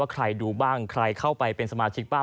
ใครดูบ้างใครเข้าไปเป็นสมาชิกบ้าง